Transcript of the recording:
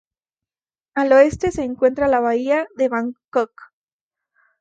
Al oeste se encuentra la Bahía de Bangkok.